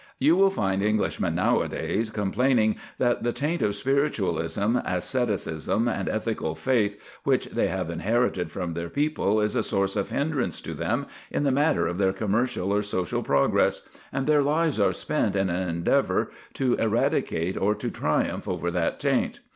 You will find Englishmen nowadays complaining that the taint of spiritualism, asceticism, and ethical faith which they have inherited from their people is a source of hindrance to them in the matter of their commercial or social progress, and their lives are spent in an endeavour to eradicate or to triumph over that taint.